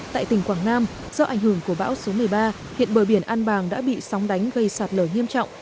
tại tỉnh quảng nam do ảnh hưởng của bão số một mươi ba hiện bờ biển an bàng đã bị sóng đánh gây sạt lở nghiêm trọng